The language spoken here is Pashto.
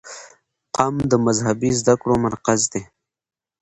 قم د مذهبي زده کړو مرکز دی.